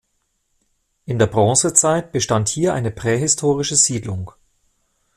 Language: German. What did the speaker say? In der Bronzezeit bestand hier eine prähistorische Siedlung.